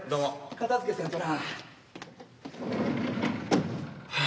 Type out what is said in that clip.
片づけせんとなぁ。